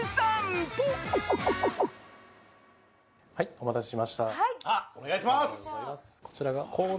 お待たせしました。